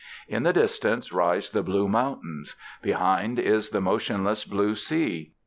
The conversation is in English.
In the distance rise the blue mountains; behind is the motionless blue sea.